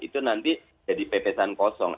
itu nanti jadi pepesan kosong